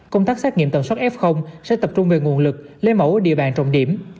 công tác xác nghiệm tầm soát f sẽ tập trung về nguồn lực lây mẫu ở địa bàn trọng điểm